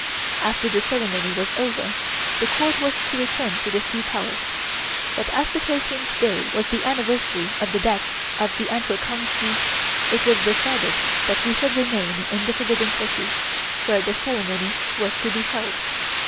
After the ceremony was over, the Court was to return to the Sea Palace, but as the thirteenth day was the anniversary of the death of the Emperor Kang Hsi, it was decided that we should remain in the Forbidden City, where the ceremony was to be held.